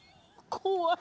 怖い！